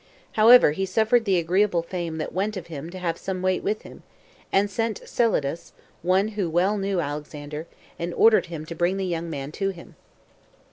However, he suffered the agreeable fame that went of him to have some weight with him, and sent Celadus, one who well knew Alexander, and ordered him to bring the young man to him.